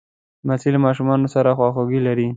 لمسی له ماشومانو سره خواخوږي لري.